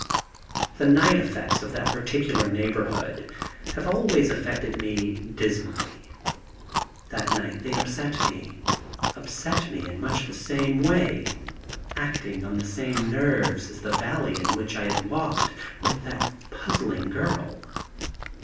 The night effects of that particular neighbourhood have always affected me dismally. That night they upset me, upset me in much the same way, acting on much the same nerves as the valley in which I had walked with that puzzling girl.